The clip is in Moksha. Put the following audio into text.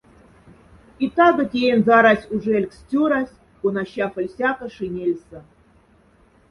И тага тейнза арась ужялькс цёрась, кона щафоль сяка шинельса.